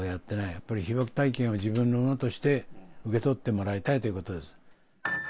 やっぱり被爆体験の自分のものとして受け取ってもらいたいということです。